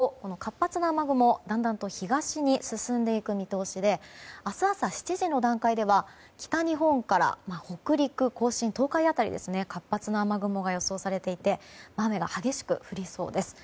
そして午前１時、２時、３時と時間を進めていくと活発な雨雲はだんだんと東に進んでいく見通しで明日朝７時の段階では北日本から北陸、甲信、東海辺り活発な雨雲が予想されていて雨が激しく降りそうです。